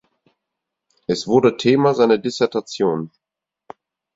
Es wurde Thema seiner Dissertation.